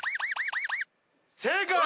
正解！